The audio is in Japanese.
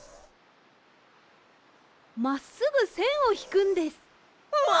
まっすぐせんをひくんです。わ！